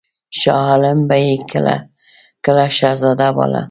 شاه عالم به یې کله کله شهزاده باله.